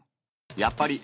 やっぱり。